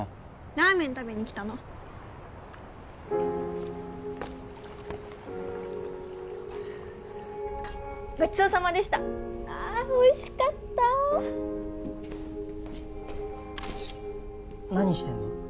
ラーメン食べにきたのごちそうさまでしたあおいしかった何してんの？